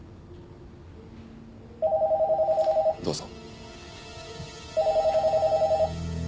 どうぞ。